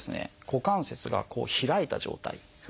股関節が開いた状態。